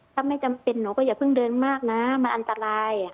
ถ้าไม่จำเป็นหนูก็อย่าเพิ่งเดินมากนะมันอันตราย